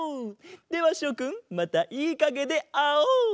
ではしょくんまたいいかげであおう。